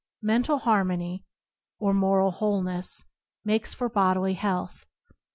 Mental harmony, or moral wholeness, makes for bodily health.